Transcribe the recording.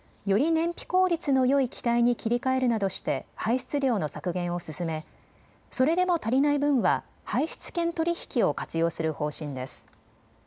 燃費効率のよい機体に切り替えるなどして排出量の削減を進めそれでも足りない分は排出権取引を活用する方針です。